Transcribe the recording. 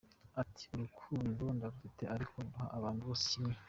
Ati “Urukundo ndarufite ariko nkunda abantu bose kimwe.